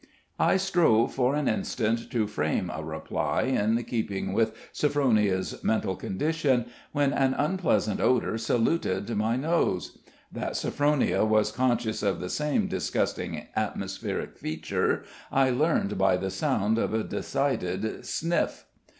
"I strove for an instant to frame a reply in keeping with Sophronia's mental condition, when an unpleasant odor saluted my nose. That Sophronia was conscious of the same disgusting atmospheric feature, I learned by the sound of a decided sniff.